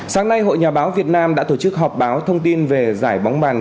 sáng nay hội nhà báo việt nam đã tổ chức họp báo thông tin về giải bóng bàn